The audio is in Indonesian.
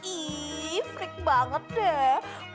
ihh freak banget deh